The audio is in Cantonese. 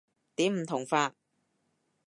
點唔同法？